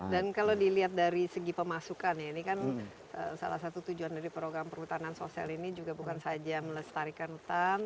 dan kalau dilihat dari segi pemasukan ya ini kan salah satu tujuan dari program perhutanan sosial ini juga bukan saja melestarikan utang